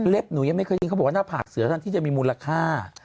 เล็บหนูยังไม่เคยยิงเขาบอกว่าหน้าผากเสื้อที่จะมีมูลค่า